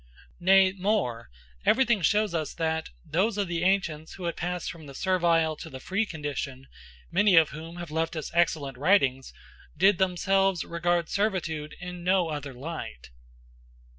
Nay, more, everything shows that those of the ancients who had passed from the servile to the free condition, many of whom have left us excellent writings, did themselves regard servitude in no other light.